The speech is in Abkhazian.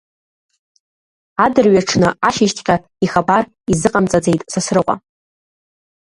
Адырҩаҽны ашьыжьҵәҟьа ихабар изыҟамҵаӡеит Сасрыҟәа.